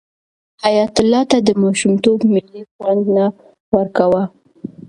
حیات الله ته د ماشومتوب مېلې خوند نه ورکاوه.